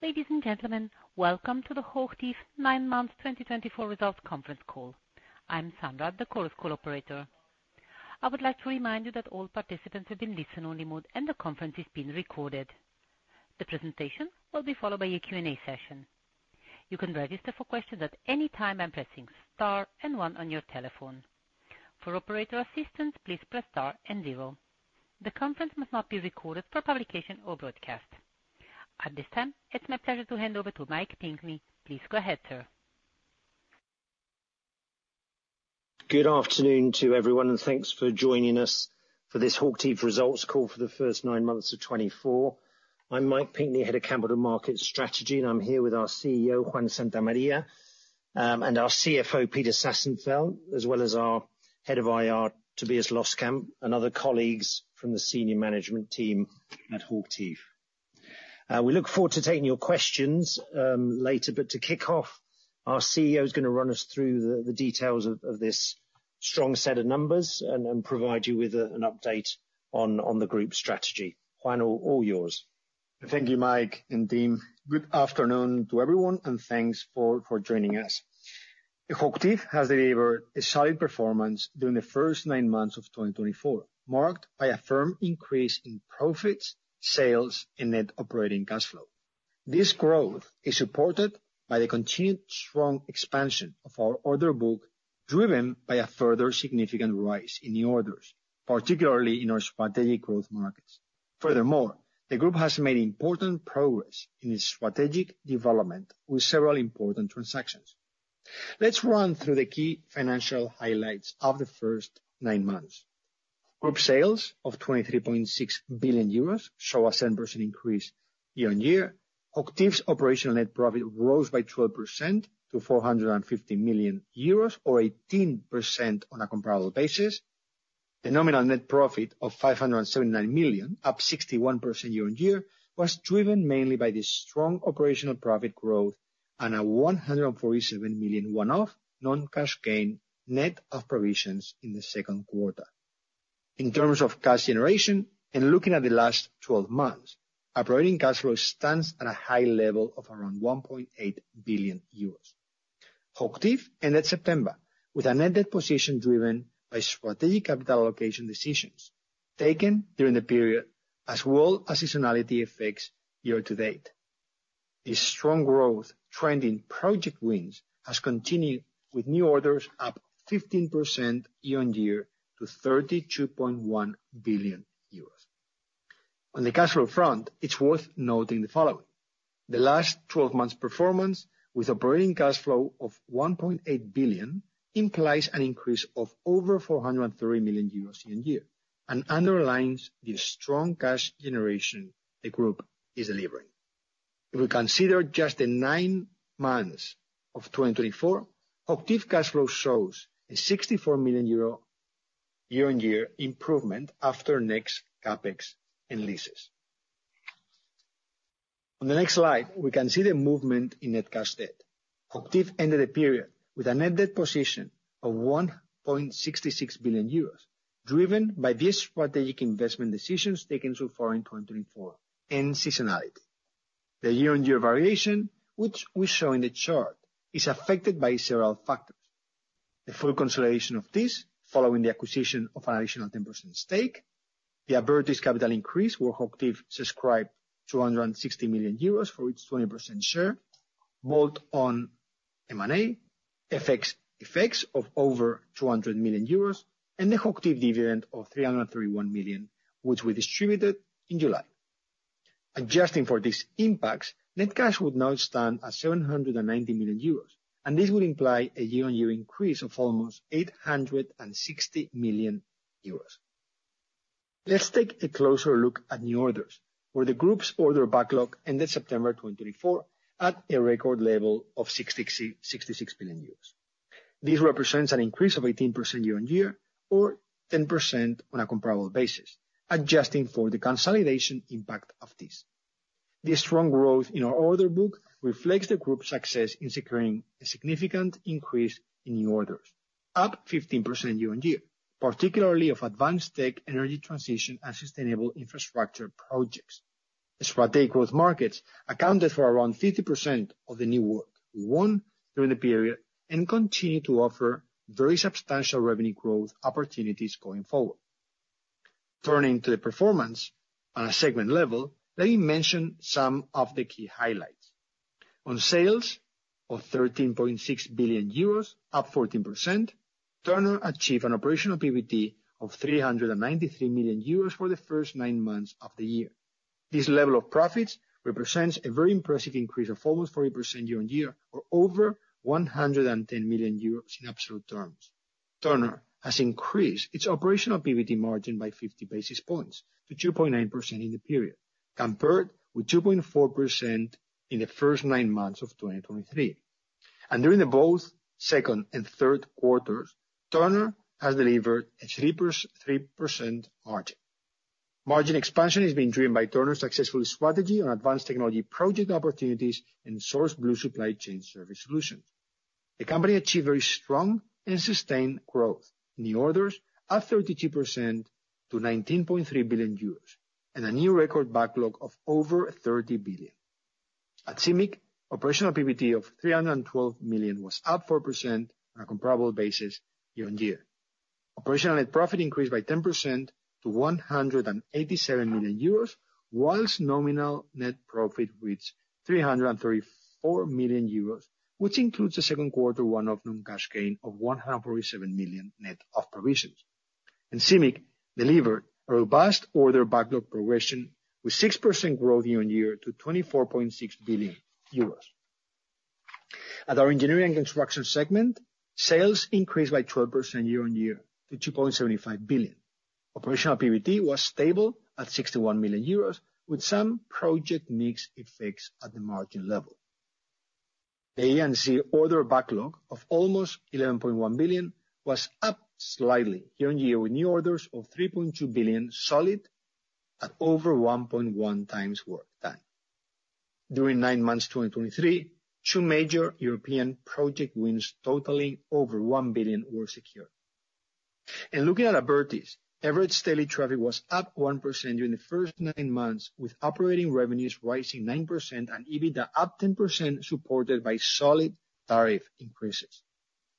Ladies and gentlemen, welcome to the HOCHTIEF Nine Months 2024 Results Conference Call. I am Sandra, the Chorus Call operator. I would like to remind you that all participants have been placed in listen-only mode and the conference is being recorded. The presentation will be followed by a Q&A session. You can register for questions at any time by pressing star and one on your telephone. For operator assistance, please press star zero. The conference must not be recorded for publication or broadcast at this time. It's my pleasure to hand over to Mike Pinkney. Please go ahead, sir. Good afternoon to everyone and thanks for joining us for this HOCHTIEF results call for the first nine months of 2024. I'm Mike Pinkney, Head of Capital Market Strategy, and I'm here with our CEO Juan Santamaría and our CFO Peter Sassenfeld, as well as our Head of IR Tobias Loskamp and other colleagues from the senior management team at HOCHTIEF. We look forward to taking your questions later, but to kick off, our CEO is going to run us through the details of this strong set of numbers and provide you with an update on the group strategy. Juan, all yours. Thank you. Mike and team, good afternoon to everyone and thanks for joining us. HOCHTIEF has delivered a solid performance during the first nine months of 2024, marked by a firm increase in profits, sales and net operating cash flow. This growth is supported by the continued strong expansion of our order book, driven by a further significant rise in the orders, particularly in our strategic growth markets. Furthermore, the group has made important progress in its strategic development with several important transactions. Let's run through the key financial highlights of the first nine months. Group sales of 23.6 billion euros show a 7% increase. Year on year, HOCHTIEF's operational net profit rose by 12% to 450 million euros or 18% on a comparable basis. The nominal net profit of 579 million, up 61% year on year, was driven mainly by the strong operational profit growth and a 147 million one-off non-cash gain net of provisions in the second quarter. In terms of cash generation and looking at the last 12 months, operating cash flow stands at a high level of around 1.8 billion euros. HOCHTIEF ended September with a net debt position driven by strategic capital allocation decisions taken during the period as well as seasonality effects. Year to date, this strong growth trend in project wins has continued with new orders up 15% year on year to 32.1 billion euros. On the cash flow front, it's worth noting the following: the last 12 months performance with operating cash flow of 1.8 billion implies an increase of over 430 million euros a year and underlines the strong cash generation the group is delivering. If we consider just the nine months of 2024, HOCHTIEF cash flow shows a 64 million euro year on year improvement after net CapEx and leases. On the next slide we can see the movement in net cash debt. HOCHTIEF ended the period with a net debt position of 1.66 billion euros driven by these strategic investment decisions taken so far in 2024 and seasonality. The year on year variation which we show in the chart is affected by several factors. The full consolidation of Thiess following the acquisition of an additional 10% stake, the Abertis capital increase where HOCHTIEF subscribed 260 million euros for its 20% share bolt-on M&A, f/x effects of over 200 million euros and the HOCHTIEF dividend of 331 million which we distributed in July. Adjusting for these impacts, net cash would now stand at 790 million euros and this would imply a year on year increase of almost 860 million euros. Let's take a closer look at new orders where the group's order backlog ended September 2024 at a record level of 66 billion euros. This represents an increase of 18% year on year or 10% on a comparable basis adjusting for the consolidation impact of Thiess the strong growth in our order book reflects the Group's success in securing a significant increase in new orders, up 15% year on year, particularly of advanced tech, energy transition and sustainable infrastructure projects. Strategic growth markets accounted for around 50% of the new work we won during the period and continue to offer very substantial revenue growth opportunities going forward. Turning to the performance on a segment level, let me mention some of the key highlights. On sales of 13.6 billion euros up 14%, Turner achieved an operational PBT of 393 million euros for the first nine months of the year. This level of profits represents a very impressive increase of almost 40% year on year or over 110 million euros. In absolute terms, Turner has increased its operational PBT margin by 50 basis points to 2.9% in the period, compared with 2.4% in the first nine months of 2023 and during both second and third quarters, Turner has delivered a 3% margin. Margin expansion is being driven by Turner's successful strategy on advanced technology, project opportunities and SourceBlue supply chain service solutions. The company achieved very strong and sustained growth, new orders up 32% to 19.3 billion euros and a new record backlog of over 30 billion. At CIMIC operational PBT of 312 million was up 4% on a comparable basis year on year operational net profit increased by 10% to 187 million euros whilst nominal net profit reached 334 million euros which includes the second quarter one-off non-cash gain of 147 million net of provisions. CIMIC delivered a robust order backlog progression with 6% growth year on year to 24.6 billion euros. At our engineering and construction segment, sales increased by 12% year on year to 2.75 billion. operational PBT was stable at 61 million euros with some project mix effects at the margin level. The Americas order backlog of almost 11.1 billion was up slightly on year with new orders of 3.2 billion solid at over 1.1 times work done during nine months 2023. Two major European project wins totaling over 1 billion were secured. Looking at Abertis, average daily traffic was up 1% during the first nine months with operating revenues rising 9% and EBITDA up 10% supported by solid tariff increases.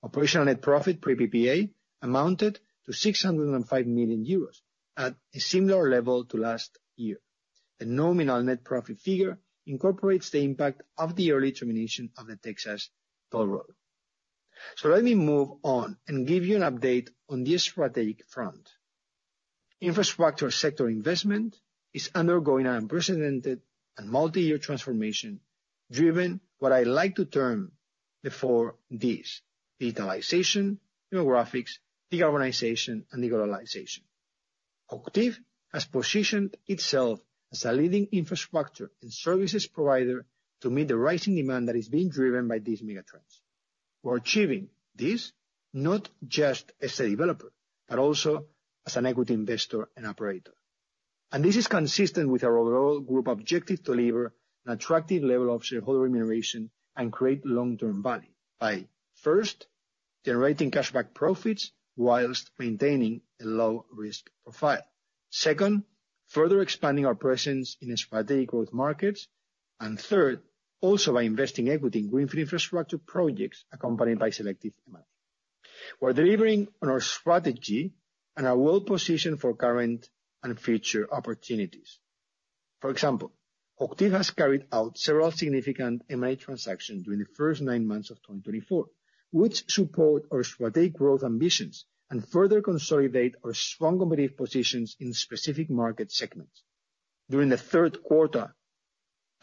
Operational net profit pre-PPA amounted to 605 million euros at a similar level to last year. The nominal net profit figure incorporates the impact of the early termination of the Texas toll road, so let me move on and give you an update on this strategic front. Infrastructure sector investment is undergoing an unprecedented and multi-year transformation driven by what I like to term the four digitalization, demographics, decarbonization, and deglobalization. HOCHTIEF has positioned itself as a leading infrastructure and services provider to meet the rising demand that is being driven by these megatrends. We're achieving this not just as a developer but also as an equity investor and operator and this is consistent with our overall group objective to deliver an attractive level of shareholder remuneration and create long-term value by first generating cash-backed profits while maintaining a low risk profile, second further expanding our presence in strategic growth markets and third also by investing equity in greenfield infrastructure projects accompanied by selective M&A. We're delivering on our strategy and are well positioned for current and future opportunities. For example, HOCHTIEF has carried out several significant M&A transactions during the first nine months of 2024 which support our strategic growth ambitions and further consolidate our strong competitive positions in specific market segments. During the third quarter,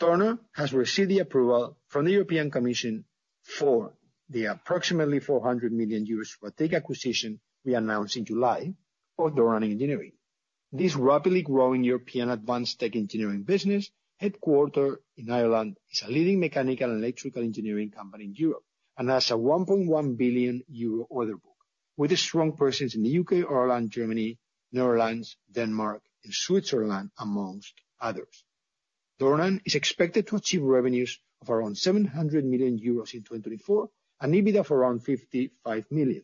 Turner has received the approval from the European Commission for the approximately 400 million euros acquisition we announced in July of Dornan Engineering. This rapidly growing European advanced tech engineering business headquartered in Ireland is a leading mechanical and electrical engineering company in Europe and has a 1.1 billion euro order book with a strong presence in the U.K., Ireland, Germany, Netherlands, Denmark and Switzerland amongst others. Dornan is expected to achieve revenues of around 700 million euros in 2024 and EBITDA of around 55 million.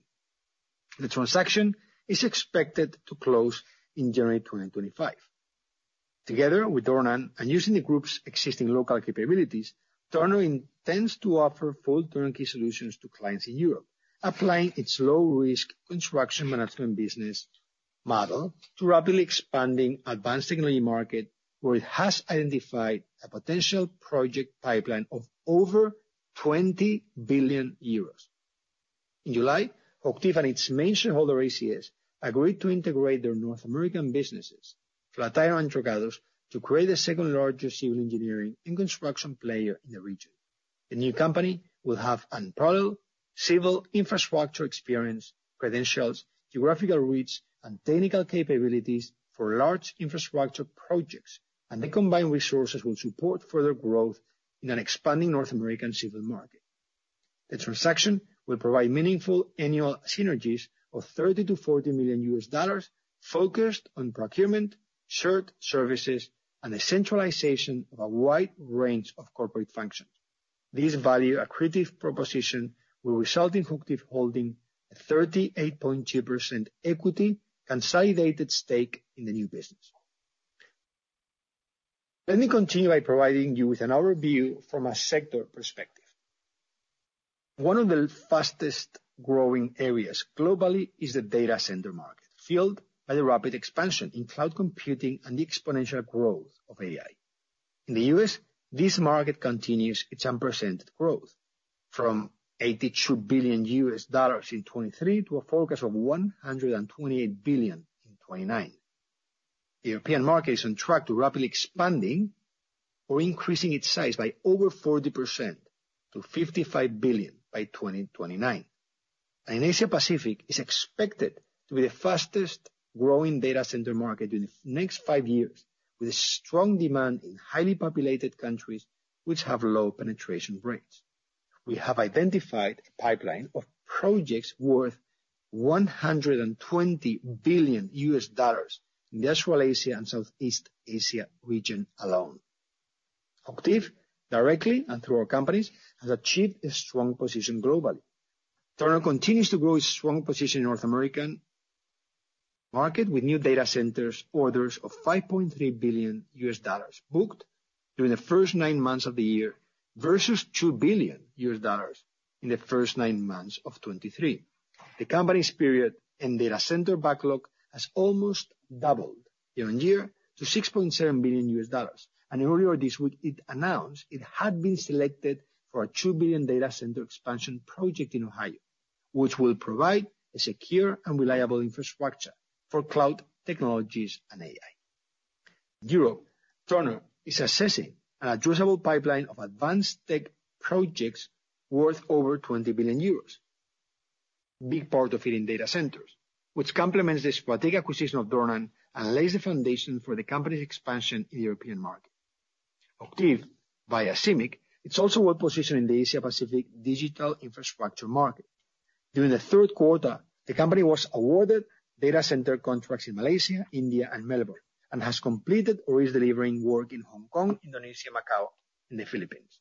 The transaction is expected to close in January 2025. Together with Dornan and using the group's existing local capabilities, Turner intends to offer full turnkey solutions to clients in Europe, applying its low risk construction management business model to rapidly expanding advanced technology market where it has identified a potential project pipeline of over 20 billion euros. In July, HOCHTIEF and its main shareholder ACS agreed to integrate their North American businesses Flatiron and Dragados to create the second largest civil engineering and construction player in the region. The new company will have unrivaled civil infrastructure experience, credentials, geographical reach and technical capabilities for large infrastructure projects and the combined resources will support further growth in an expanding North American civil market. The transaction will provide meaningful annual synergies of $30million-$40 million focused on procurement, shared services and the centralization of a wide range of corporate functions. These value accretive propositions will result in HOCHTIEF holding a 38.2% equity consolidated stake in the new business. Let me continue by providing you with an overview from a sector perspective. One of the fastest growing areas globally is the data center market, fueled by the rapid expansion in cloud computing and the exponential growth of AI in the U.S. This market continues its unprecedented growth from $82 billion in 2023 to a forecast of $128 billion in 2029. The European market is on track to rapidly expanding or increasing its size by over 40% to 55 billion by 2029. In Asia Pacific is expected to be the fastest growing data center market in the next five years, with a strong demand in highly populated countries which have low penetration rates. We have identified a pipeline of projects worth $120 billion in the Australasia and Southeast Asia region alone. HOCHTIEF directly and through our companies has achieved a strong position globally. Turner continues to grow its strong position in North American market with new data centers orders of $5.3 billion booked during the first nine months of the year versus $2 billion in the first nine months of 2023. The company's period-end data center backlog has almost doubled year on year to $6.7 billion and earlier this week it announced it had been selected for a $2 billion data center expansion project in Ohio which will provide a secure and reliable infrastructure for cloud technologies and AI. Europe. Turner is assessing an addressable pipeline of advanced tech projects worth over 20 billion euros. Big part of it in data centers, which complements the strategic acquisition of Dornan and lays the foundation for the company's expansion in the European market. HOCHTIEF via CIMIC is also well positioned in the Asia Pacific digital infrastructure market. During the third quarter, the company was awarded data center contracts in Malaysia, India, and Melbourne and has completed or is delivering work in Hong Kong, Indonesia, Macau, and the Philippines.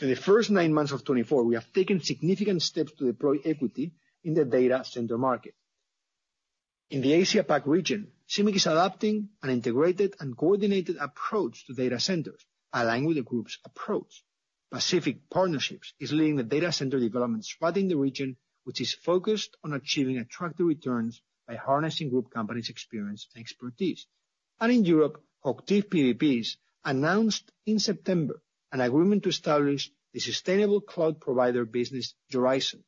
In the first nine months of 2024, we have taken significant steps to deploy equity in the data center market. In the Asia-PAC region, CIMIC is adopting an integrated and coordinated approach to data centers aligned with the group's approach. Pacific Partnerships is leading the data center development spot in the region, which is focused on achieving attractive returns by harnessing group companies' experience and expertise. In Europe, HOCHTIEF PPP announced in September an agreement to establish the sustainable cloud provider Yorizon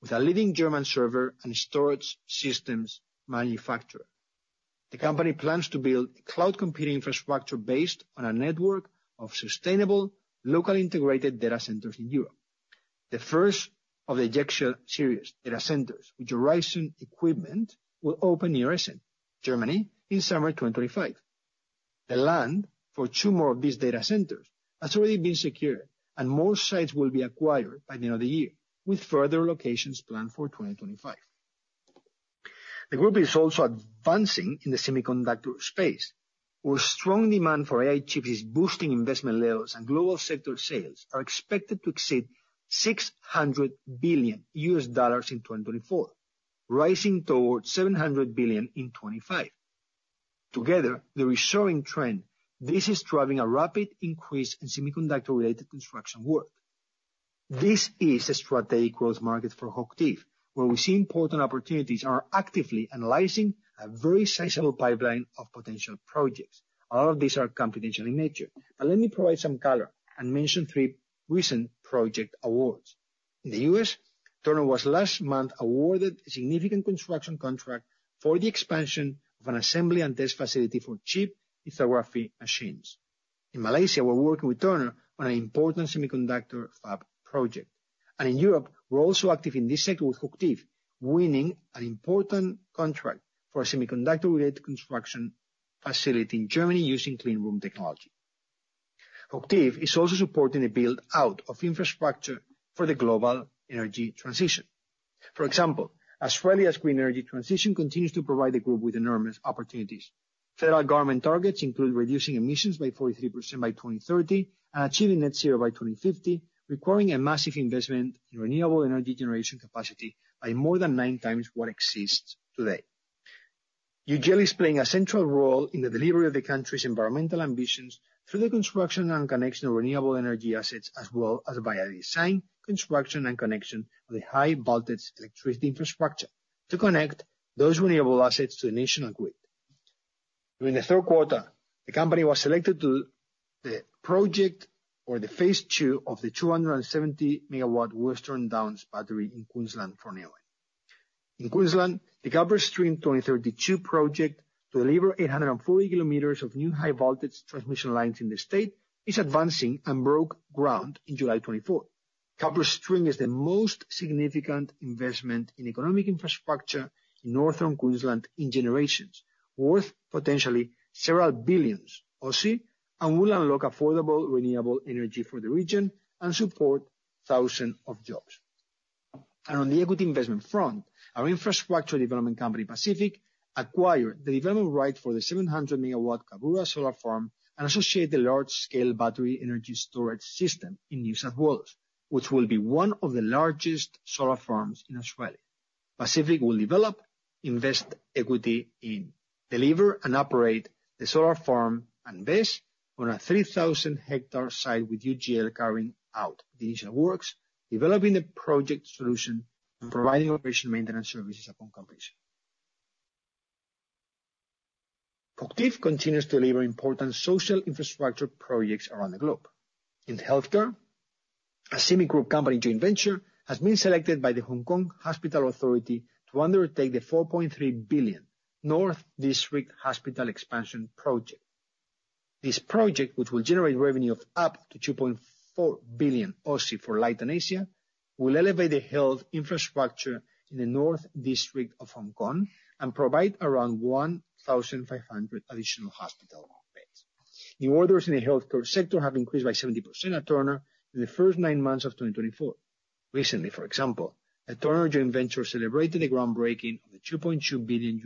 with a leading German server and storage systems manufacturer. The company plans to build cloud computing infrastructure based on a network of sustainable locally integrated data centers in Europe. The first of the YEXIO series data centers with Yorizon equipment will open near Essen, Germany in summer 2025. The land for two more of these data centers has already been secured and more sites will be acquired by the end of the year, with further locations planned for 2025. The group is also advancing in the semiconductor space where strong demand for AI chips is boosting investment levels and global sector sales are expected to exceed $600 billion in 2024, rising toward $700 billion in 2025. Together the resurging trend this is driving a rapid increase in semiconductor related construction work. This is a strategic growth market for HOCHTIEF where we see important opportunities and are actively analyzing a very sizable pipeline of potential projects. All of these are confidential in nature, but let me provide some color and mention three recent project awards. In the U.S. Turner was last month awarded a significant construction contract for the expansion of an assembly and test facility for chip lithography machines. In Malaysia we're working with Turner on an important semiconductor fab project and in Europe we're also active in this sector with HOCHTIEF and winning an important contract for a semiconductor related construction facility in Germany using clean room technology. HOCHTIEF is also supporting the build out of infrastructure for the global energy transition. For example, Australia's green energy transition continues to provide the group with enormous opportunities. Federal government targets include reducing emissions by 43% by 2030 and achieving net zero by 2050, requiring a massive investment in renewable energy generation capacity by more than nine times what exists today. UGL is playing a central role in the delivery of the country's environmental ambitions through the construction and connection of renewable energy assets as well as via design, construction and connection of the high voltage electricity infrastructure to connect those renewable assets to the national grid. During the third quarter, the company was selected to the project or the phase II of the 270 MW Western Downs Battery in Queensland for Neoen in Queensland. The CopperString 2032 project to deliver 840 km of new high voltage transmission lines in the state is advancing and broke ground in July 2024. CopperString is the most significant investment in economic infrastructure in Northern Queensland in generations, worth potentially several billion AUD and will unlock affordable renewable energy for the region and support thousands of jobs. On the equity investment front, our infrastructure development company Pacific acquired the development right for the 700 MW Cobbora Solar Farm and associated with the large-scale battery energy storage system in New South Wales which will be one of the largest solar farms in Australia. Pacific will develop, invest equity in, deliver and operate the solar farm based on a 3,000-hectare site with UGL carrying out the initial works, developing a project solution and providing operations and maintenance services upon completion. HOCHTIEF continues to deliver important social infrastructure projects around the globe. In healthcare, a CIMIC Group company joint venture has been selected by the Hospital Authority to undertake the 4.3 billion North District Hospital expansion project. This project, which will generate revenue of up to 2.4 billion for Leighton Asia, will elevate the health infrastructure in the North District of Hong Kong and provide around 1,500 additional beds. New orders in the healthcare sector have increased by 70% at Turner in the first nine months of 2024. Recently, for example, a Turner joint venture celebrated the groundbreaking of the $2.2 billion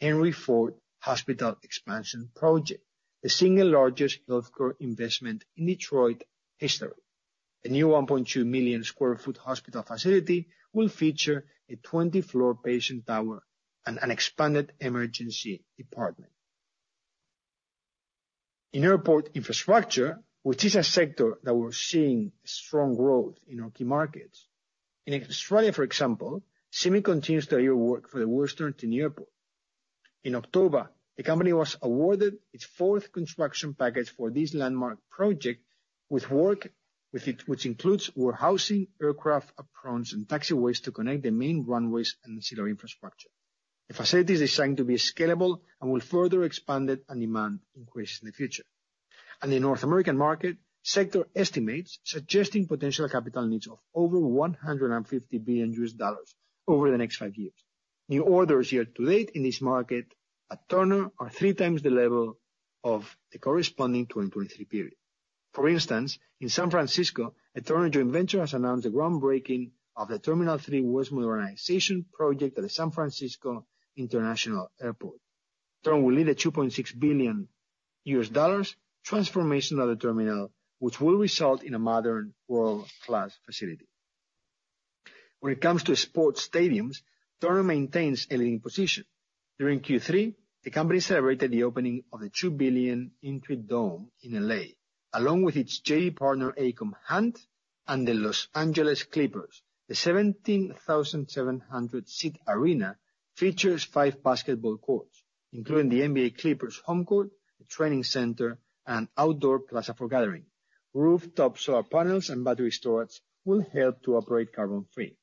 Henry Ford Hospital expansion project, the single largest health care investment in Detroit history. A new 1.2 million sq ft hospital facility will feature a 20-floor patient tower and an expanded emergency department. In airport infrastructure, which is a sector that we're seeing strong growth in our key markets. In Australia, for example, CIMIC continues to do work for the Western Sydney new airport. In October, the company was awarded its fourth construction package for this landmark project with work which includes hangaring aircraft, aprons and taxiways to connect the main runways and civil infrastructure. The facility is designed to be scalable and will further expand as demand increases in the future, and the North American market sector estimates suggesting potential capital needs of over $150 billion over the next five years. New orders year to date in this market at Turner are three times the level of the corresponding 2023 period. For instance, in San Francisco, a Turner joint venture has announced the groundbreaking of the Terminal 3 West Modernization Project at the San Francisco International Airport. The project will need a $2.6 billion transformation of the terminal, which will result in a modern world-class facility. When it comes to sports stadiums, Turner maintains a leading position. During Q3, the company celebrated the opening of the $2 billion Intuit Dome in LA, along with its JV partner AECOM Hunt and the Los Angeles Clippers. The 17,700-seat arena features five basketball courts including the NBA Clippers home court. A training center and outdoor plaza for gatherings, rooftop solar panels and battery storage will help to operate carbon-free.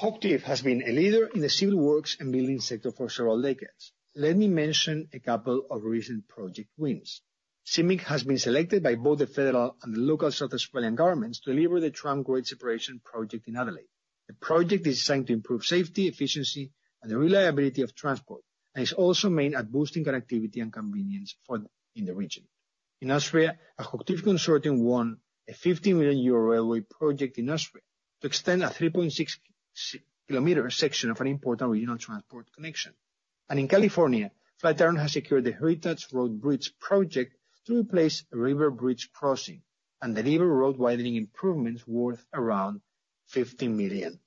HOCHTIEF has been a leader in the civil works and building sector for several decades. Let me mention a couple of recent projects which CIMIC has been selected by both the federal and the local South Australian governments to deliver the Tram Grade Separation Project in Adelaide. The project is designed to improve safety, efficiency and the reliability of transport and is also aimed at boosting connectivity and convenience in the region. In Austria, a HOCHTIEF consortium won a 50 million euro railway project in Austria to extend a 3.6 km section of an important regional transport concept. In California, Flatiron has secured the Heritage Road Bridge project to replace river bridge crossing and deliver road widening improvements worth around $50 million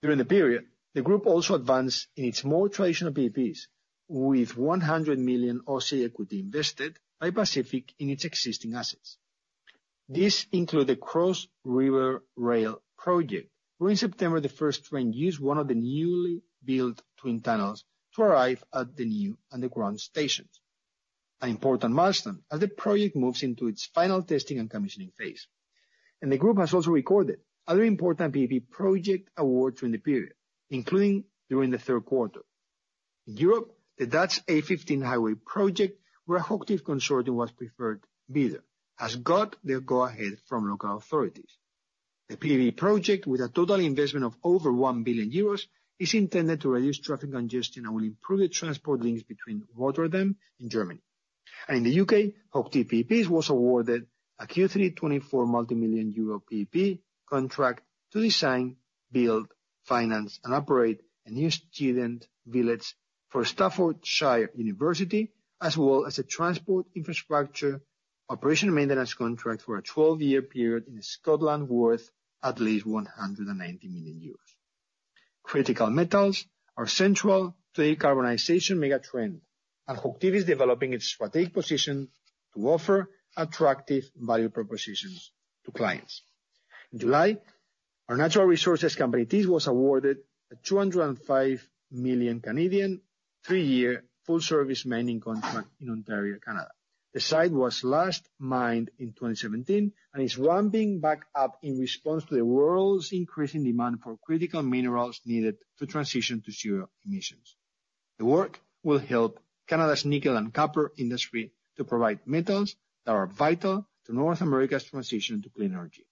during the period. The group also advanced in its more traditional PPPs with 100 million equity invested by Pacific Partnerships in its existing assets. These include the Cross River Rail project where in September the first train used one of the newly built twin tunnels to arrive at the new underground stations, an important milestone as the project moves into its final testing and commissioning phase. The group has also recorded other important PPP project awards during the period, including during the third quarter. In Europe, the Dutch A15 highway project where a HOCHTIEF consortium was preferred bidder, has got the go ahead from local authorities. The PPP project, with a total investment of over 1 billion euros, is intended to reduce traffic congestion and will improve the transport links between Rotterdam and Germany. In the UK, HOCHTIEF was awarded a Q3 2024 multimillion EUR PPP contract to design, build, finance and operate a new student village for Staffordshire University, as well as a transport infrastructure operation maintenance contract for a 12-year period in Scotland worth at least 190 million euros. Critical metals are central to the decarbonization megatrend and HOCHTIEF is developing its strategic position to offer attractive value propositions to clients. In July our natural resources company Thiess was awarded a 205 million three-year full service mining contract in Ontario, Canada. The site was last mined in 2017 and is ramping back up in response to the world's increasing demand for critical minerals needed to transition to zero emissions. The work will help Canada's nickel and copper industry to provide metals that are vital to North America's transition to clean energy.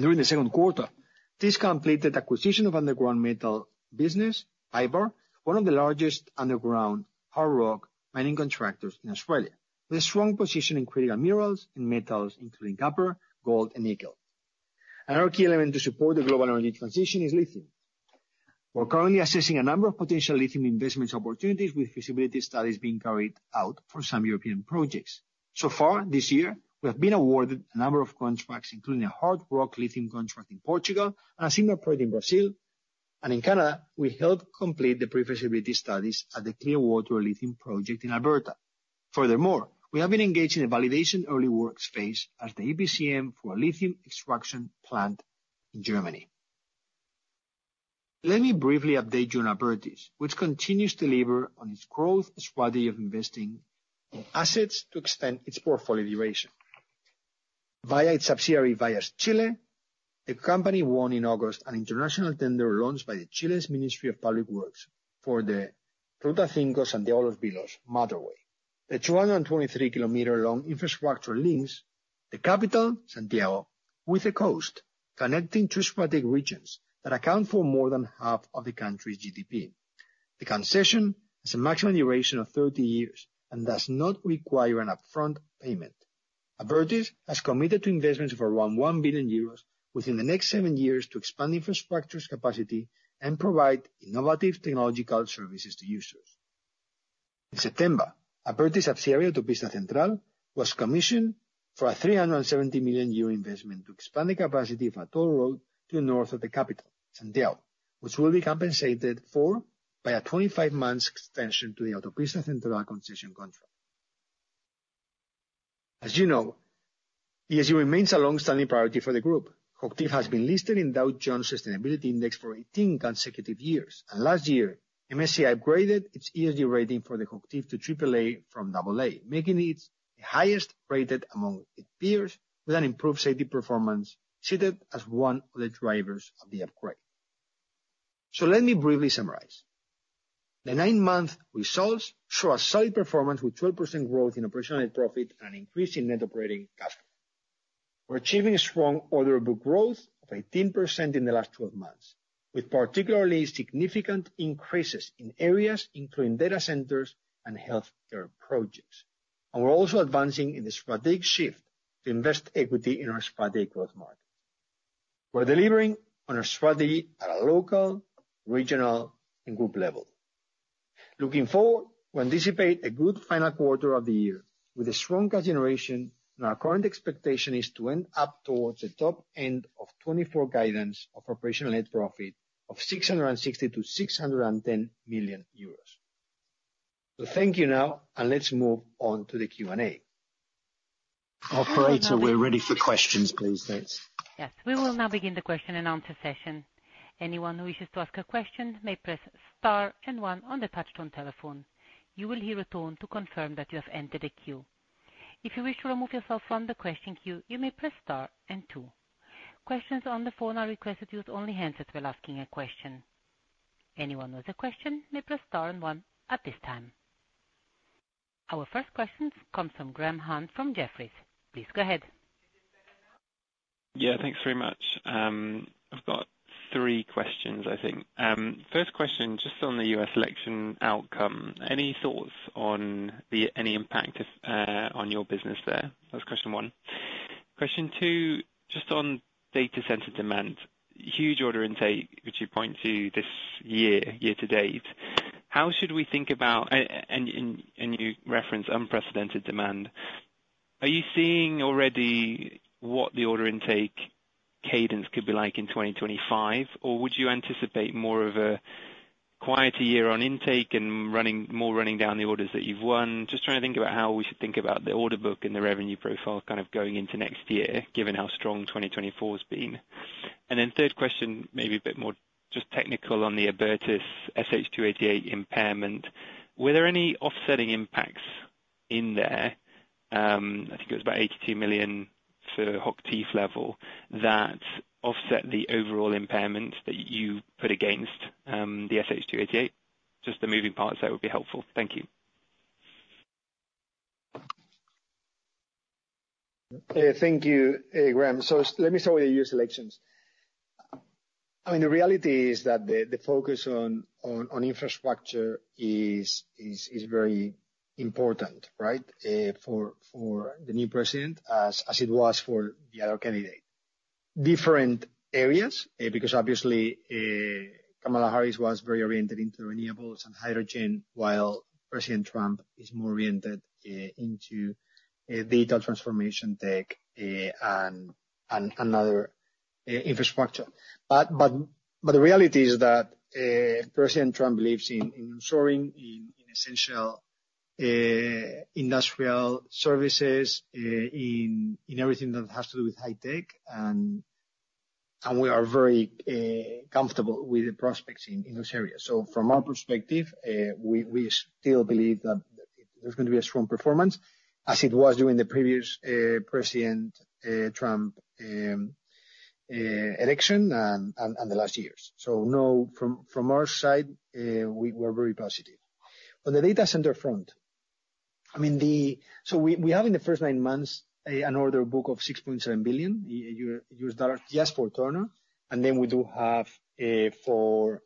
During the second quarter, Thiess completed acquisition of underground mining business, one of the largest underground hard rock mining contractors in Australia with a strong position in critical minerals and metals including copper, gold and nickel. Another key element to support the global energy transition is lithium. We're currently assessing a number of potential lithium investment opportunities with feasibility studies being carried out for some European projects. So far this year we have been awarded a number of contracts including a hard rock lithium contract in Portugal and a Sigma project in Brazil and in Canada we helped complete the prefeasibility studies at the Clearwater Lithium project in Alberta. Furthermore, we have been engaged in a validation early works phase as the EPCM for a lithium extraction plant in Germany. Let me briefly update you on Abertis, which continues to deliver on its growth strategy of investing assets to extend its portfolio duration via its subsidiary VíasChile. The company won in August an international tender launched by the Chile's Ministry of Public Works for the Ruta 5 Santiago-Los Vilos motorway. The 223 km long infrastructure links the capital Santiago with the coast, connecting two separate regions that account for more than half of the country's GDP. The concession has a maximum duration of 30 years and does not require an upfront payment. Abertis has committed to investments of around 1 billion euros within the next seven years to expand infrastructure's capacity and provide innovative technological services to users. In September, a parity subsidiary to Autopista Central was commissioned for a 370 million euro investment to expand the capacity of the toll road to the north of the capital Santiago, which will be compensated for by a 25-month extension to the Autopista Central concession. As you know, ESG remains a longstanding priority for the group. HOCHTIEF has been listed in the Dow Jones Sustainability Index for 18 consecutive years and last year MSCI upgraded its ESG rating for the HOCHTIEF to AAA from AA, making it the highest rated among its peers with an improved safety performance cited as one of the drivers of the upgrade. So let me briefly summarize. The nine-month results show a solid performance with 12% growth in operational net profit and an increase in net operating cash flow. We're achieving strong order book growth of 18% in the last 12 months with particularly significant increases in areas including data centers and healthcare projects. And we're also advancing in the strategic shift to invest equity in our strategic growth market. We're delivering on our strategy at a local, regional and group level. Looking forward, we anticipate a good final quarter of the year with a strong cash generation and our current expectation is to end up towards the top end of 2024 guidance of operational net profit of 610 million-660 million euros. Thank you now and let's move on to the Q&A, operator. We're ready for questions, please. Thanks. Yes, we will now begin the question and answer session. Anyone who wishes to ask a question may press star and one. On the touchtone telephone you will hear a tone to confirm that you have entered a queue. If you wish to remove yourself from the question queue, you may press star and two. Questions on the phone are requested. Use only handsets while asking a question. Anyone with a question may press star one at this time. Our first question comes from Graham Hunt from Jefferies. Please go ahead. Yeah, thanks very much. I've got three questions, I think. First question, just on the U.S. election outcome. Any thoughts on any impact on your business there? That's question one. Question two, just on data center demand. Huge order intake which you point to this year, year to date, how should we think about? And you reference unprecedented demand. Are you seeing already what the order intake cadence could be like in 2025 or would you anticipate more of a quieter year on intake and running, more running down the orders that you've won? Just trying to think about how we should think about the order book in the revenue profile kind of going into next year, given how strong 2024 has been. And then third question, maybe a bit more just technical on the Abertis SH-288 impairment. Were there any offsetting impacts in there? I think it was about $82 million for HOCHTIEF level that offset the overall impairment that you put against the SH-288. Just the moving parts there would be helpful. Thank you. Thank you, Graham. So let me start with the U.S. elections. I mean, the reality is that the focus on infrastructure is very important, right, for the new president as it was for the other candidate. Different areas because obviously Kamala Harris was very oriented into renewables and hydrogen, while President Trump is more oriented into digital transformation, tech and another infrastructure. But the reality is that President Trump believes in onshoring in essential industrial services in everything that has to do with high tech. And we are very comfortable with the prospects in those areas. So from our perspective, we still believe that there's going to be a strong performance as it was during the previous President Trump election and the last years. So no, from our side, we're very positive on the data center front. I mean the. We have in the first nine months an order book of $6.7 billion just for Turner, and then we do have for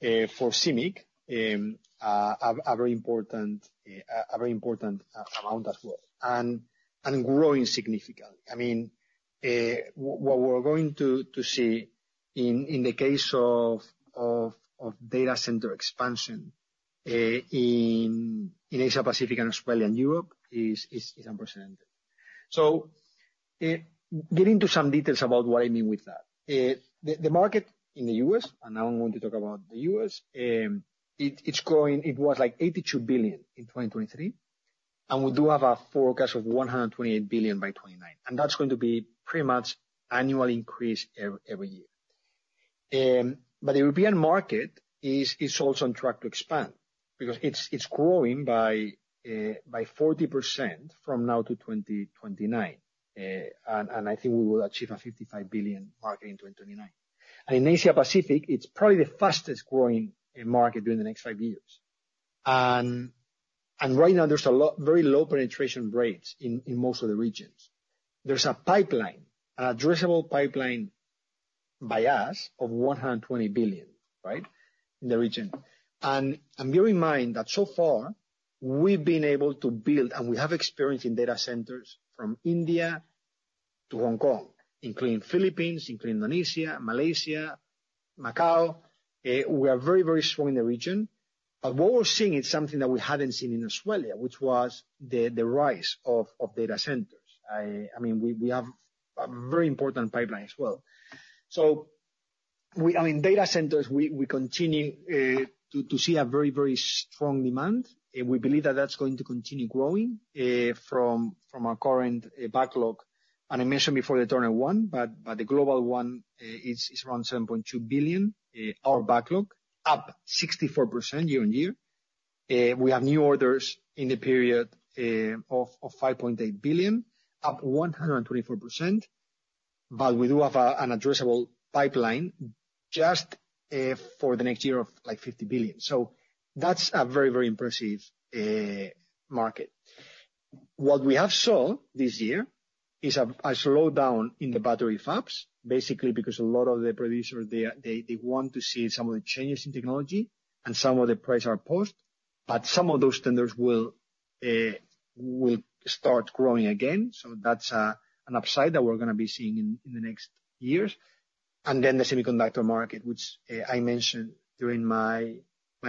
CIMIC a very important amount as well and growing significantly. I mean, what we're going to see in the case of data center expansion in Asia Pacific and Australia and Europe is unprecedented. Getting to some details about what I mean with that, the market in the U.S., and now I'm going to talk about the U.S., it's growing. It was like $82 billion in 2023, and we do have a forecast of $128 billion by 2029. And that's going to be pretty much annual increase every year. The European market is also on track to expand because it's growing by 40% from now to 2029. And I think we will achieve a 55 billion market in 2029. In Asia Pacific, it's probably the fastest growing market during the next five years. Right now there's a lot very low penetration rates in most of the regions. There's a pipeline, an addressable pipeline by us of $120 billion right in the region. Bear in mind that so far we've been able to build and we have experience in data centers from India to Hong Kong, including Philippines, including Indonesia, Malaysia, Macau. We are very, very strong in the region. What we're seeing is something that we haven't seen in Australia, which was the rise of data centers. I mean, we have a very important pipeline as well. I mean data centers. We continue to see a very, very strong demand and we believe that that's going to continue growing from our current backlog and I mentioned before the Turner one, but the global one is around 7.2 billion. Our backlog up 64% year on year. We have new orders in the period of 5.8 billion, up 124%. But we do have an addressable pipeline just for the next year of like 50 billion. That's a very, very impressive market. What we have saw this year is a slowdown in the battery ops basically because a lot of the producers, they want to see some of the changes in technology and some of the price are pushed, but some of those tenders will start growing again. That's an upside that we're going to be seeing in the next years. And then the semiconductor market, which I mentioned during my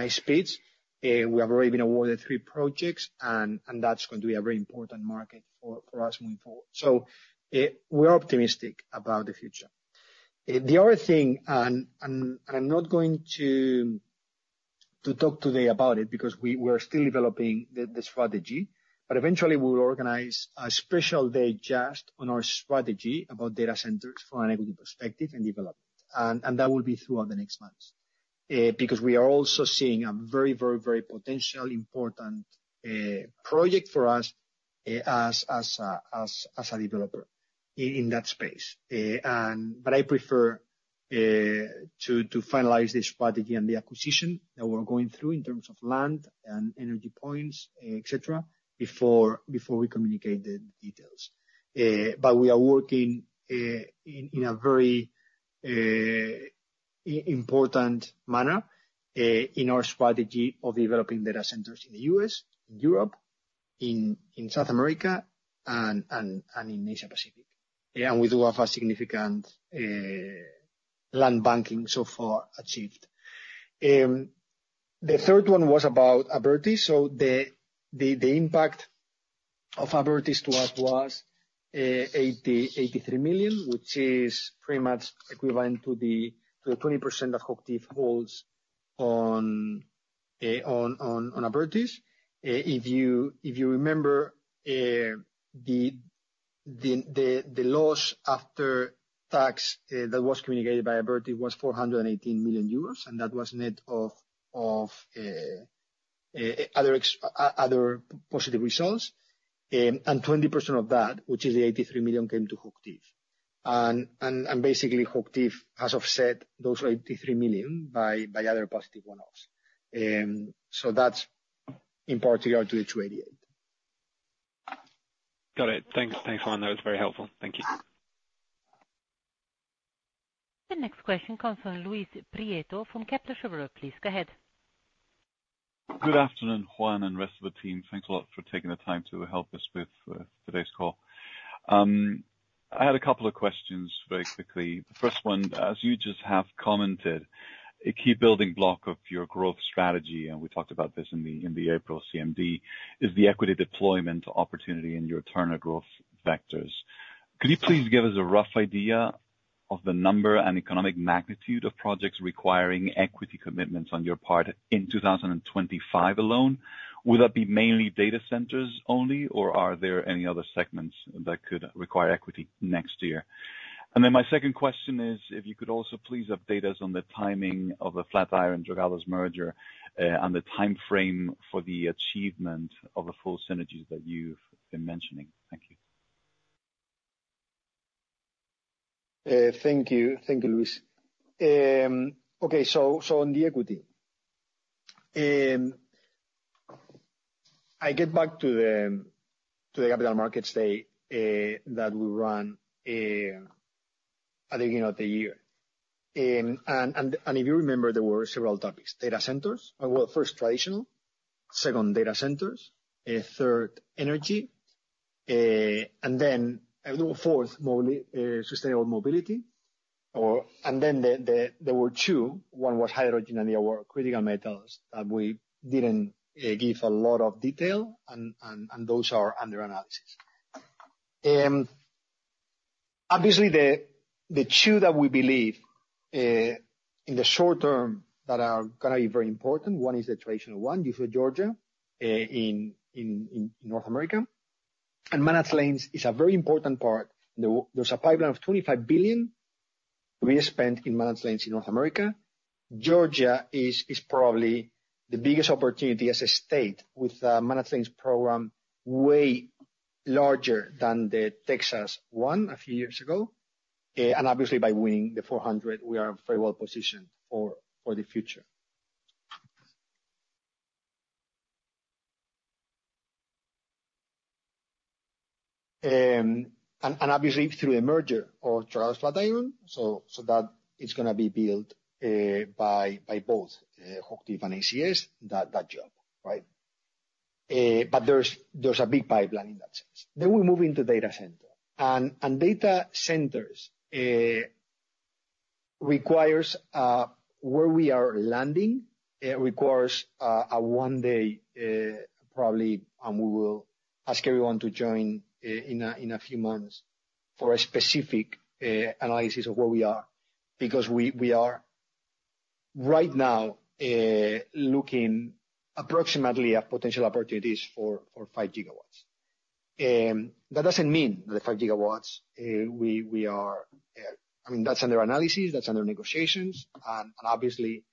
speech, we have already been awarded three projects and that's going to be a very important market for us moving forward. So we are optimistic about the future. The other thing, and I'm not going to talk today about it because we are still developing the strategy, but eventually we will organize a special day just on our strategy about data centers for an equity perspective and development, and that will be throughout the next months because we are also seeing a very, very, very potential, important project for us as a developer in that space. But I prefer to finalize the strategy and the acquisition that we're going through in terms of land and energy points, etc. Before we communicate the details. But we are working in a very important manner in our strategy of developing data centers in the US, in Europe, in South America, and in Asia Pacific. And we do have a significant land banking so far achieved. The third one was about Abertis. So the impact of Abertis to us was 83 million, which is pretty much equivalent to the 20% that HOCHTIEF holds on Abertis. If you remember, the loss after tax that was communicated by Abertis was 418 million euros, and that was net of other positive results. And 20% of that, which is the 83 million, came to HOCHTIEF. And basically HOCHTIEF has offset the also 83 million by other positive one offs. So that's in particular to the SH-288. Got it. Thanks Juan, that was very helpful. Thank you. The next question comes from Luis Prieto from Kepler Cheuvreux. Please go ahead. Good afternoon, Juan, and rest of the team. Thanks a lot for taking the time to help us with today's call. I had a couple of questions very quickly. The first one, as you just have commented, a key building block of your growth strategy, and we talked about this in the April CMD, is the equity deployment opportunity in your Turner growth vectors. Could you please give us a rough idea of the number and economic magnitude of projects requiring equity commitments on your part in 2025 alone? Would that be mainly data centers only or are there any other segments that could require equity next year? And then my second question is if you could also please update us on the timing of the Flatiron Dragados merger and the time frame for the achievement of the full synergies that you've been mentioning. Thank you. Thank you. Thank you, Luis. Okay, so on the equity I get back to the capital markets day that we run at the beginning of the year and if you remember there were several topics: data centers. Well, first traditional, second data centers, third energy and then fourth sustainable mobility. And then there were two. One was hydrogen and the other critical metals that we didn't give a lot of detail and those are under analysis. Obviously the two that we believe in the short term that are going to be very important. One is the traditional one. You hear Georgia in North America and managed lanes is a very important part. There's a pipeline of $25 billion we spent in managed lanes in North America. Georgia is probably the biggest opportunity as a state with managed lanes program way larger than the Texas one a few years ago. Obviously by winning the 400 we are very well positioned for the future. Obviously through the merger of Dragados Flatiron so that it's going to be built by both HOCHTIEF and ACS that job. Right. There's a big pipeline in that sense. We move into data centers and data centers requires where we are landing. It requires one day probably and we will ask everyone to join in a few months for a specific analysis of where we are because we are right now looking approximately at potential opportunities for 5 GW. That doesn't mean that the 5 GW we are I mean that's under analysis, that's under negotiations and obviously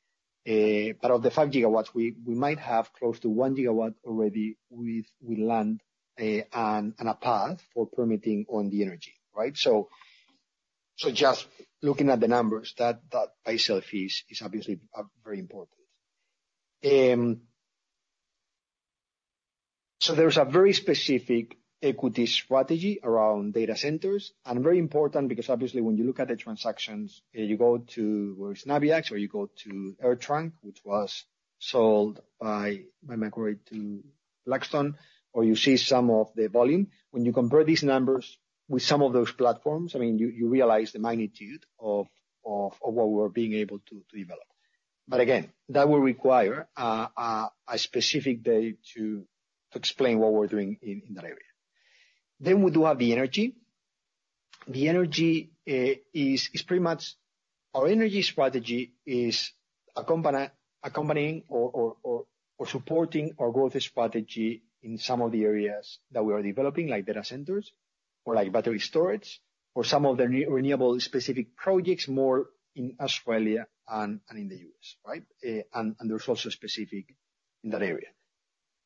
but of the 1 GW we might have close to 1 GW already with land and a path for permitting on the energy. Right. So just looking at the numbers that payable fees is obviously very important. So there's a very specific equity strategy around data centers and very important because obviously when you look at the transactions you go to where is Nabiax or you go to AirTrunk which was sold by Macquarie to Blackstone or you see some of the volume when you compare these numbers with some of those platforms. I mean you realize the magnitude of what we're being able to develop. But again that will require a specific day to explain what we're doing in that area. Then we do have the energy. The energy is pretty much our energy strategy is accompanying or supporting our growth strategy in some of the areas that we are developing like data centers or like battery storage or some of the renewable specific projects more in Australia and in the U.S., right. And there's also specifics in that area.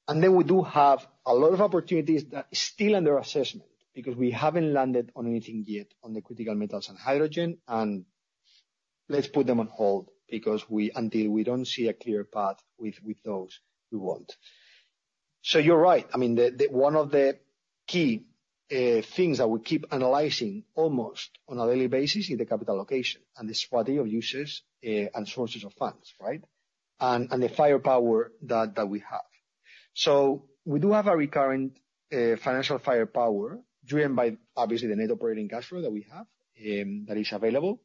And then we do have a lot of opportunities that still under assessment because we haven't landed on anything yet on the critical metals and hydrogen. And let's put them on hold until we don't see a clear path with those we want. So you're right. I mean, one of the key things that we keep analyzing almost on a daily basis is the capital allocation and the capital uses and sources of funds, right. And the firepower that we have. We do have a recurrent financial firepower driven by obviously the net operating cash flow that we have that is available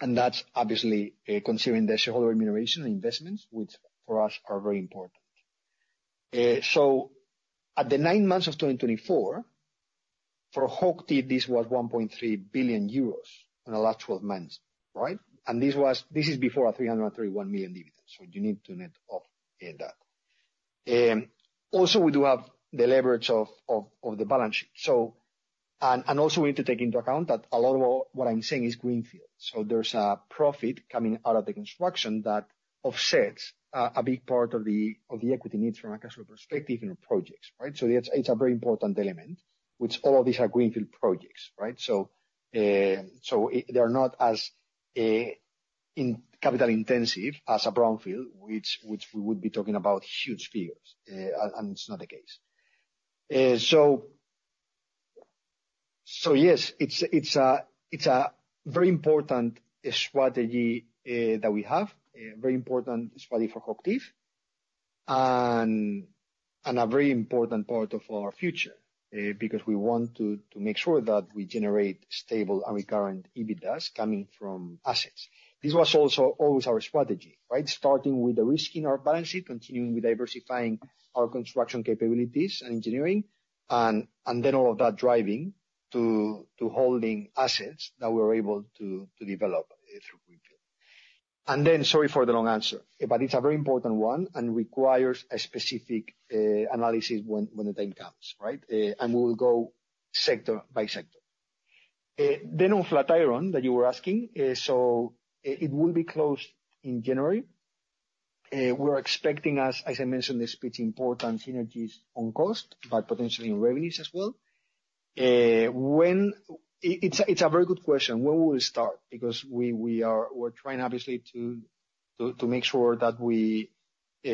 and that's obviously considering the shareholder remuneration investments, which for us are very important. At the nine months of 2024 for HOCHTIEF, this was 1.3 billion euros in the last 12 months. Right. And this was. This is before a 331 million dividend. So you need to net of that. Also we do have the leverage of the balance sheet and also we need to take into account that a lot of what I'm saying is greenfield. So there's a profit coming out of the construction that offsets a big part of the equity needs from a cash flow perspective in projects. Right. So it's a very important element which all of these are greenfield projects, right. They're not as capital intensive as a brownfield, which we would be talking about huge figures and it's not the case. Yes, it's a very important strategy that we have, very important study for HOCHTIEF and a very important part of our future because we want to make sure that we generate stable and recurrent EBITDAs coming from assets. This was also always our strategy, right. Starting with the risk in our balance sheet, continuing with diversifying our construction capabilities and engineering, and then all of that driving to holding assets that we're able to develop through greenfield. And then. Sorry for the long answer, but it's a very important one and requires a specific analysis when the time comes. Right. We will go sector by sector then on Flatiron that you were asking. It will be closed in January. We're expecting, as I mentioned, these important synergies on cost, but potentially in revenues as well. It's a very good question, when will it start? Because we're trying obviously to make sure that we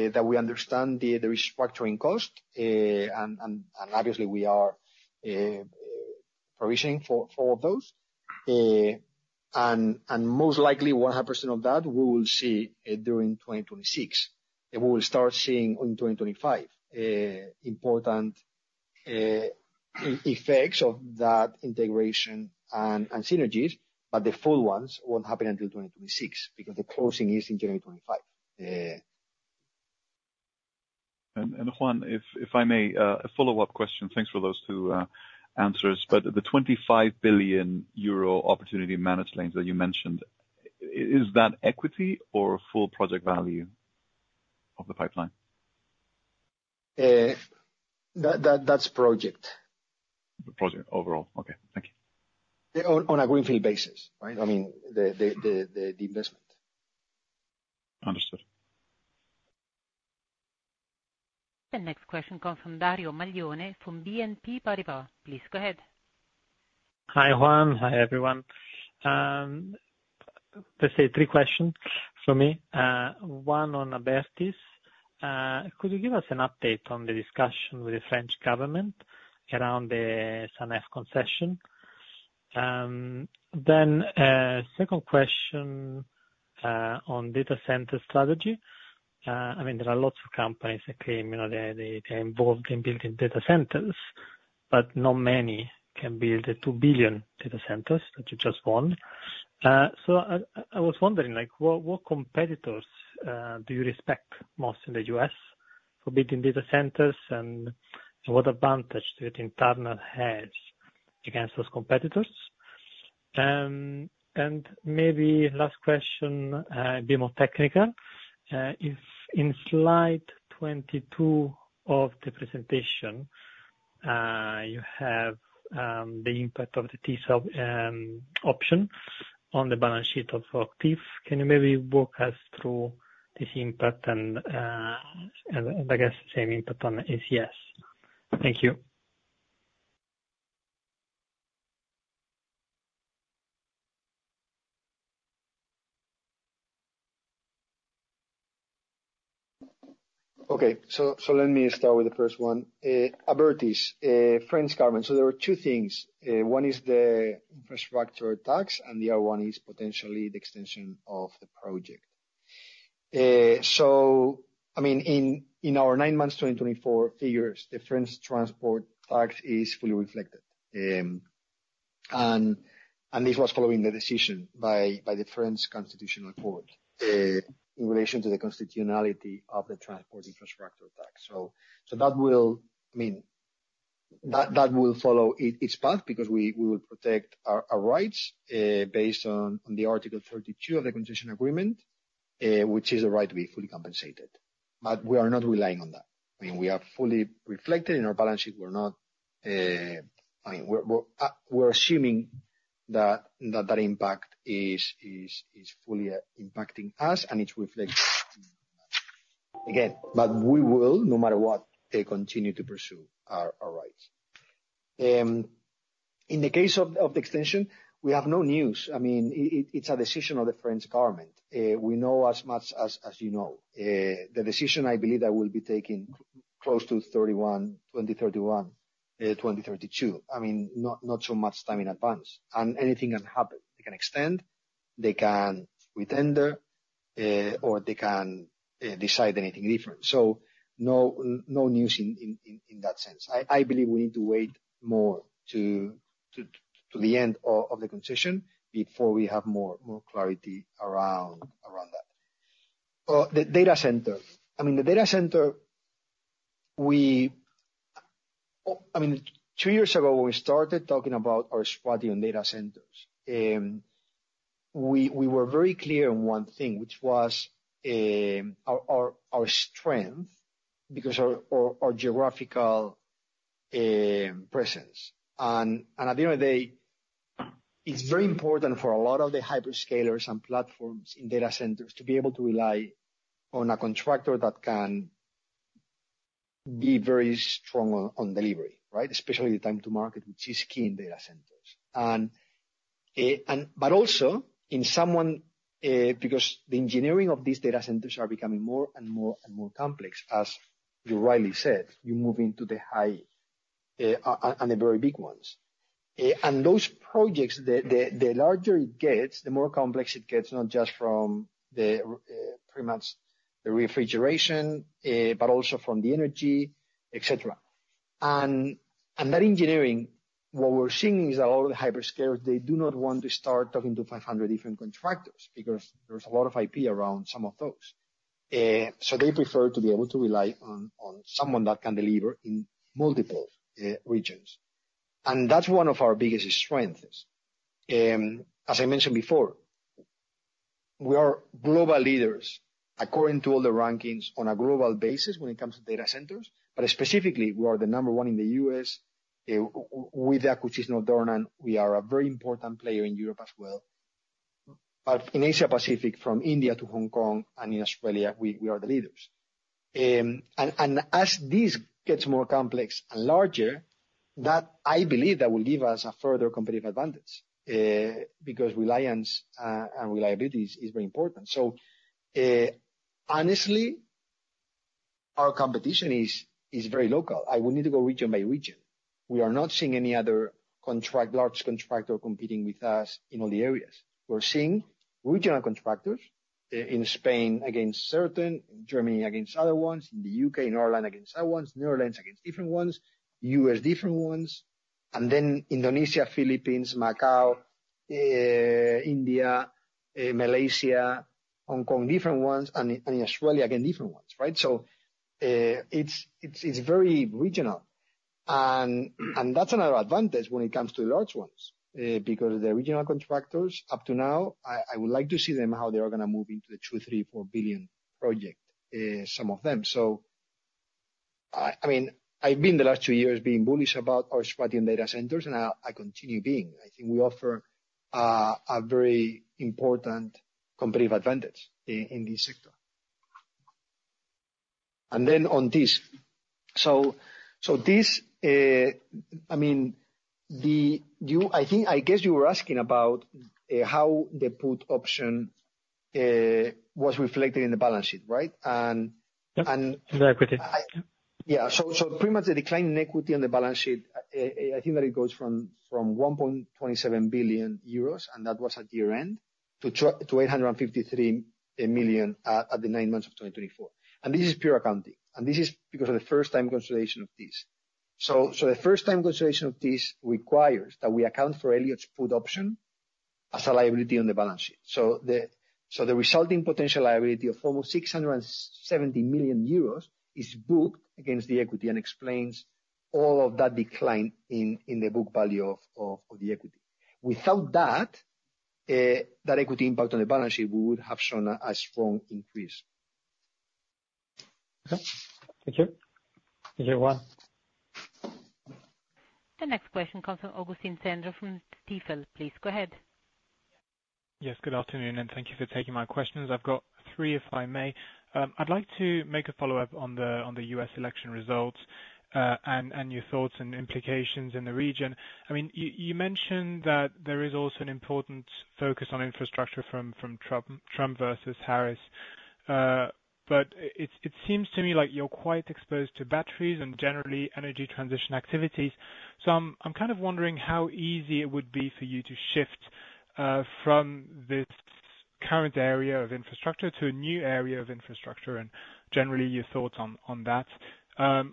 understand the restructuring cost, and obviously we are provisioning for those, and most likely 100% of that we will see during 2026. We will start seeing in 2025 important effects of that integration and synergies, but the full ones won't happen until 2026 because the closing is in 2025. Juan, if I may, a follow-up question. Thanks for those two answers, but the 25 billion euro opportunity managed lanes that you mentioned, is that equity or full project value of the pipeline? That's project. Project overall. Okay, thank you. On a greenfield basis, right? I mean the investment. Understood. The next question comes from Dario Maglione from BNP Paribas. Please go ahead. Hi, Juan. Hi everyone. Let's say three questions for me. One on could you give us an update on the discussion with the French government around the Sanef concession? Then second question on data center strategy. I mean, there are lots of companies that claim they are involved in building data centers, but not many can build $2 billion data centers that you just won. So I was wondering, what competitors do you respect most in the US for building data centers? And what advantage does Turner have against those competitors? And maybe last question, a bit more technical. If in slide 22 of the presentation, you have the impact of the TSO option on the balance sheet of HOCHTIEF, can you maybe walk us through this impact and I guess the same impact on ACS? Thank you. Okay, so let me start with the first one. Abertis French government. So there are two things. One is the infrastructure tax and the other one is potentially the extension of the project. So I mean, in our nine months 2024 figures, the French transport tax is fully reflected. And this was following the decision by the French Constitutional Court in relation to the constitutionality of the transport infrastructure tax. So that will, I mean, that will follow its path because we will protect our rights based on the Article 32 of the Concession agreement, which is the right to be fully compensated. But we are not relying on that. We are fully reflected in our balance sheet. We're not. I mean, we're assuming that impact is fully impacting us and it's reflected again. But we will, no matter what, continue to pursue our rights. In the case of the extension, we have no news. I mean, it's a decision of the French government. We know as much as you know the decision. I believe that will be taken close to 2031, 2032. I mean, not so much time in advance and anything can happen. They can extend, they can withdraw or they can decide anything different. So no news in that sense. I believe we need to wait more to the end of the concession before we have more clarity around that. The data center, I mean, two years ago, when we started talking about our spot in data centers and we were very clear on one thing, which was our strength because our geographical presence. At the end of the day, it's very important for a lot of the hyperscalers and platforms in data centers to be able to rely on a contractor that can be very strong on delivery. Right. Especially the time to market, which is key in data centers, but also in semis, because the engineering of these data centers is becoming more and more complex. As you rightly said, you move into the AI and the very big ones and those projects, the larger it gets, the more complex it gets, not just from the refrigeration, but also from the energy, etc. And that engineering, what we're seeing is that all the hyperscalers, they do not want to start talking to 500 different contractors because there's a lot of IP around some of those. So they prefer to be able to rely on someone that can deliver in multiple regions. And that's one of our biggest strengths. As I mentioned before, we are global leaders according to all the rankings on a global basis when it comes to data centers. But specifically we are the number one in the U.S. with the acquisition of Dornan. We are a very important player in Europe as well in Asia Pacific from India to Hong Kong, and in Australia, we are the leaders. And as this gets more complex and larger, I believe that will give us a further competitive advantage because reliance and reliability is very important. So honestly, our competition is very local. I would need to go region by region. We are not seeing any other large contractor competing with us in all the areas. We're seeing regional contractors in Spain against certain, Germany against other ones, in the U.K., Norland against other ones, Netherlands against different ones, U.S. different ones. And then Indonesia, Philippines, Macau, India, Malaysia, Hong Kong, different ones, and Australia again, different ones. Right. So it's very regional and that's another advantage when it comes to large ones because the regional contractors up to now, I would like to see them how they are going to move into the two, three, four billion project, some of them. So, I mean, I've been the last two years being bullish about our spartan data centers. And I continue being, I think we offer a very important competitive advantage in these sectors. And then on this. So this, I mean, I guess you were asking about how the put option was reflected in the balance sheet, right? Yeah, so pretty much the decline in equity on the balance sheet, I think that it goes from 1.27 billion euros and that was at year end to 853 million at the nine months of 2024. This is pure accounting. This is because of the first-time consolidation of this. The first-time consolidation of this requires that we account for Elliott's put option as a liability on the balance sheet. The resulting potential liability of almost 670 million euros is booked against the equity and explains all of that decline in the book value of the equity. Without that, that equity impact on the balance sheet would have shown a strong increase. Thank you Juan. The next question comes from Augustin Cendra from Stifel. Please go ahead. Yes, good afternoon and thank you for taking my questions. I've got three if I may. I'd like to make a follow up on the U.S. election results and your thoughts and implications in the region. I mean you mentioned that there is also an important focus on infrastructure from Trump versus Harris. But it seems to me like you're quite exposed to batteries and generally energy transition activities. So I'm kind of wondering how easy it would be for you to shift from this current area of infrastructure to a new area of infrastructure. And generally your thoughts on that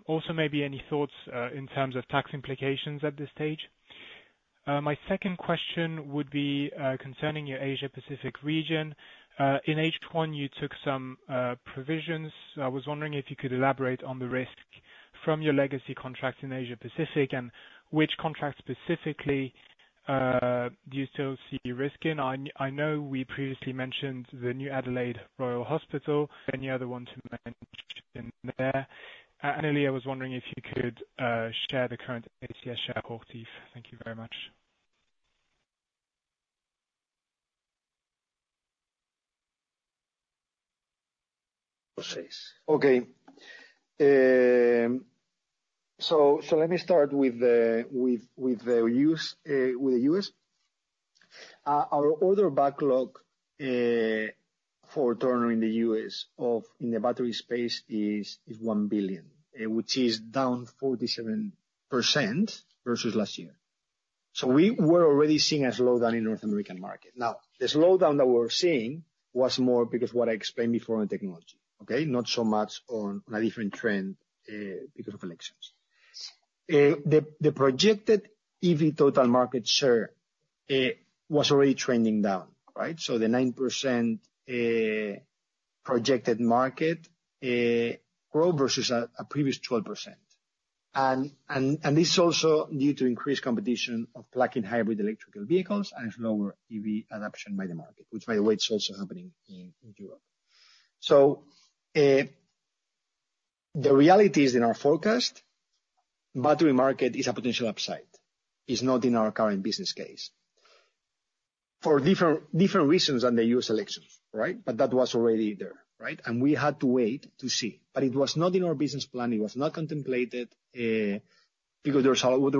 also maybe any thoughts in terms of tax implications at this stage. My second question would be concerning your Asia Pacific region. In H1 you took some provisions. I was wondering if you could elaborate on the risk from your legacy contracts in Asia Pacific. And which contract specifically do you still see risk in? I know we previously mentioned the new Adelaide Royal Hospital. Any other one to mention there? And lastly, I was wondering if you could share the current ACS share. HOCHTIEF, thank you very much. Okay, so let me start with the news with the US. Our order backlog for Turner in the US in the battery space is $1 billion which is down 47% versus last year. So we were already seeing a slowdown in North American market. Now the slowdown that we're seeing was more because what I explained before on technology, okay, not so much on a different trend because of elections. The projected EV total market share was already trending down, right? So the 9% projected market growth versus a previous 12% and this is also due to increased competition of plug-in hybrid electric vehicles and slower EV adoption by the market, which by the way it's also happening in Europe. So the reality is in our forecast battery market is a potential upside. It's not in our current business case for different reasons than the US elections. But that was already there and we had to wait to see, but it was not in our business plan. It was not contemplated because there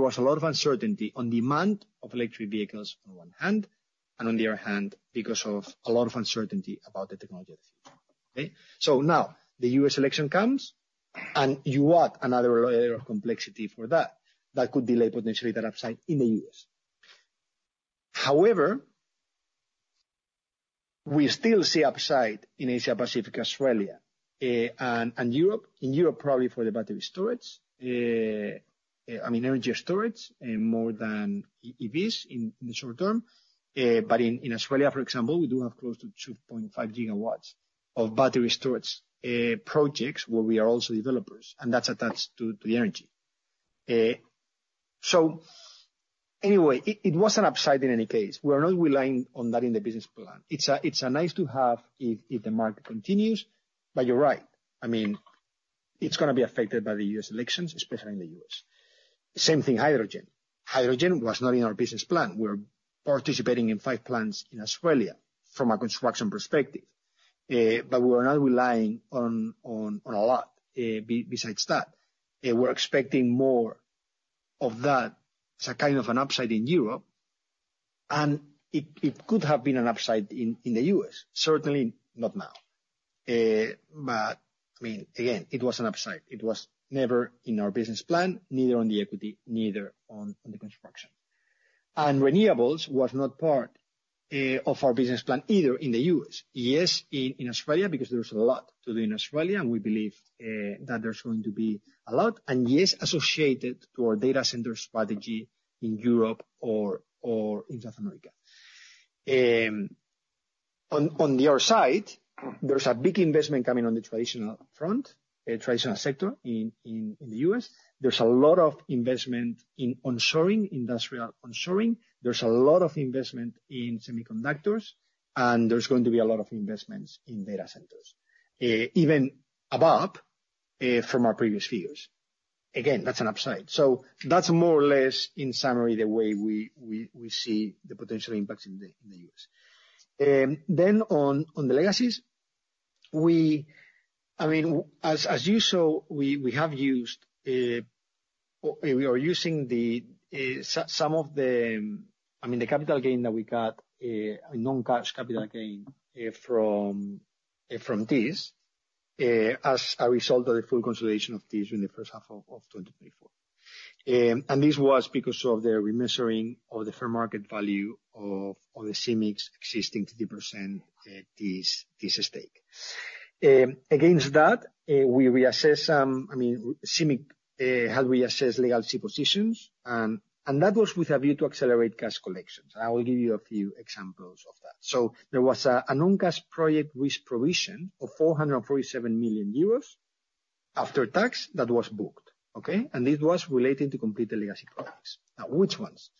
was a lot of uncertainty on demand of electric vehicles on one hand and on the other hand because of a lot of uncertainty about the technology of the future. So now the U.S. election comes and you add another layer of complexity for that that could delay potentially that upside in the U.S. However, we still see upside in Asia Pacific, Australia and Europe. In Europe, probably for the battery storage, I mean energy storage more than EVs in the short term. But in Australia, for example, we do have close to 2.5 GW of battery storage projects where we are also developers and that's attached to the energy. So anyway, it was an upside. In any case, we're not relying on that in the business plan. It's nice to have if the market continues. But you're right, I mean it's going to be affected by the U.S. elections, especially in the U.S. Same thing. Hydrogen. Hydrogen was not in our business plan. We're participating in five plants in Australia from a construction perspective. But we are not relying on a lot besides that. We're expecting more of that as a kind of an upside in Europe and it could have been an upside in the U.S., certainly not now. But I mean again it was an upside. It was never in our business plan, neither on the equity, neither on the construction, and renewables was not part of our business plan either. In the US, yes, in Australia because there's a lot to do in Australia and we believe that there's going to be a lot and yes, associated to our data center strategy in Europe or in South America. On the other side, there's a big investment coming on the traditional front, traditional sector. In the US, there's a lot of investment in onshoring, industrial, onshoring. There's a lot of investment in semiconductors and there's going to be a lot of investments in data centers even above from our previous figures. Again, that's an upside. So that's more or less in summary the way we, we see the potential impacts in the U.S. Then on the legacies, as you saw, we have used, we are using some of the, I mean the capital gain that we got non cash capital gain from this as a result of the full consolidation of this during the first half of 2024 and this was because of the remeasuring of the fair market value of the CIMIC's existing to depreciate this stake against that we reassessed some, I mean CIMIC had reassessed legacy positions and that was with a view to accelerate cash collections. I will give you a few examples of that. There was a non cash project risk provision of 447 million euros after tax that was booked. Okay. And it was related to CIMIC's economics. Now which ones?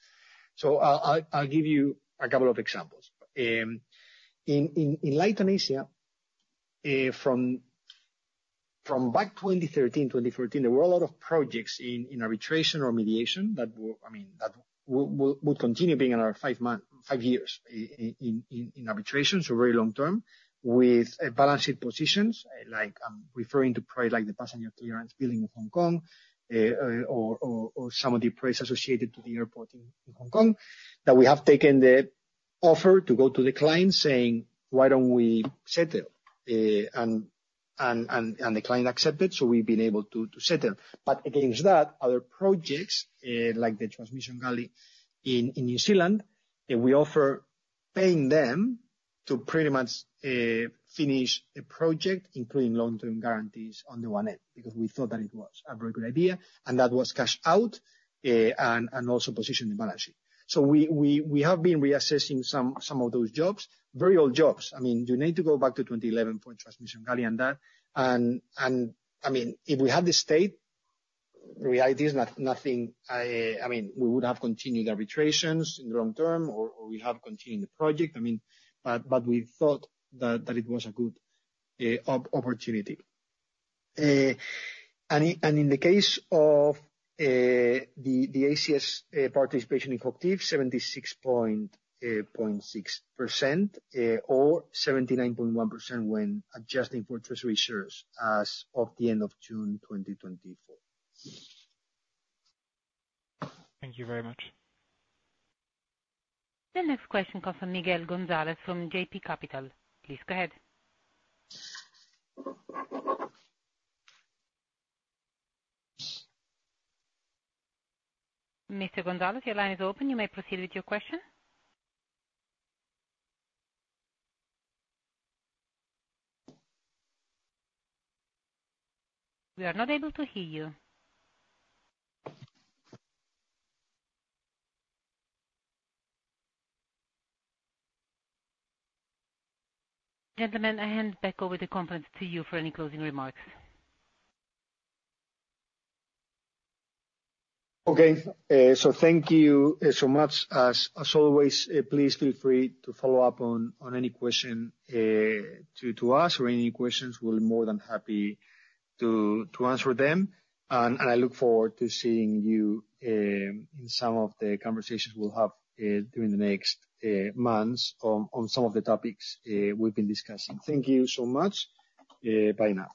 So I'll give you a couple of examples. In Leighton Asia from back 2013, 2014, there were a lot of projects in arbitration or mediation that would continue being another five years in arbitration. So very long term with balance sheet positions like I'm referring to P3s like the Passenger Clearance Building in Hong Kong or some of the P3 associated to the airport in Hong Kong that we have taken the offer to go to the client saying why don't we settle? And the client accepted. So we've been able to settle, but against that. Other projects like the Transmission Gully in New Zealand, we offer paying them to pretty much finish a project including long term guarantees on the one end because we thought that it was a very good idea and that was cash out and also positioned the balance sheet. So we have been reassessing some of those jobs, very old jobs. I mean you need to go back to 2011, Transmission Gully, and that if we had the state reality is nothing. I mean we would have continued arbitrations in the long term or we have continued the project. But we thought that it was a good opportunity, and in the case of the ACS participation in HOCHTIEF 76.6% or 79.1% when adjusting for treasury shares as of the end of June 2024. Thank you very much. The next question comes from Miguel Gonzalez from JB Capital. Please go ahead. Mr. Gonzalez. Your line is open. You may proceed with your question. We are not able to hear you. Gentlemen. I hand back over the conference to you for any closing remarks. Okay, so thank you so much. As always, please feel free to follow up on any question to ask or any questions. We'll be more than happy to answer them. And I look forward to seeing you in some of the conversations we'll have during the next months on some of the topics we've been discussing. Thank you so much. Bye now.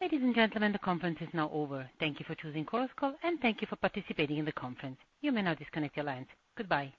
Thank you. Ladies and gentlemen. The conference is now over. Thank you for choosing Chorus Call and thank you for participating in the conference. You may now disconnect your lines. Goodbye.